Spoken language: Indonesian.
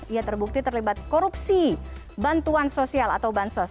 ia terbukti terlibat korupsi bantuan sosial atau bansos